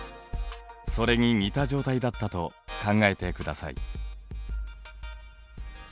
それに似た状態だったと考えてください。